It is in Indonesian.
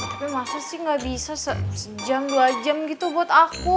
tapi masa sih gak bisa sejam dua jam gitu buat aku